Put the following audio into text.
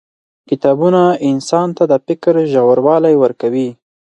• کتابونه انسان ته د فکر ژوروالی ورکوي.